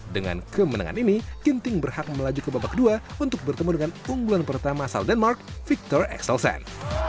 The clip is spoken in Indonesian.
dengan kemenangan ini ginting berhak melaju ke babak kedua untuk bertemu dengan unggulan pertama asal denmark victor exelsen